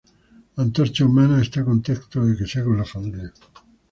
Antorcha Humana está contento de que sea con la familia.